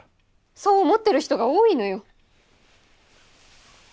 そう思ってる人が多いのよ。